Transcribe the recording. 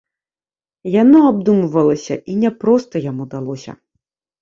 Яно абдумвалася і няпроста яму далося.